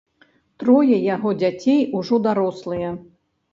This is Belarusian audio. Трое яго дзяцей ужо дарослыя.